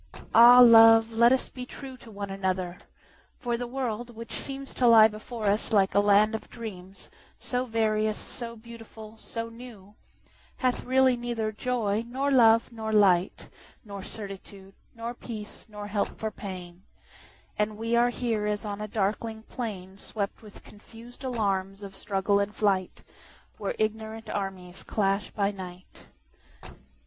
Ah, love, let us be trueTo one another! for the world, which seemsTo lie before us like a land of dreams, So various, so beautiful, so new, Hath really neither joy, nor love, nor light, Nor certitude, nor peace, nor help for pain; And we are here as on a darkling plainSwept with confus'd alarms of struggle and flight, Where ignorant armies clash by night.